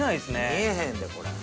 見えへんでこれ。